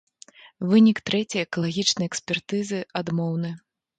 Вынік трэцяй экалагічнай экспертызы адмоўны.